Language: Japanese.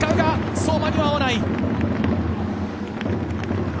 相馬には合わない。